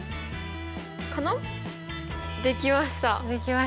できました！